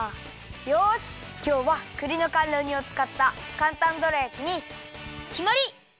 よしきょうはくりのかんろ煮をつかったかんたんどら焼きにきまり！